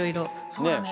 そうだね。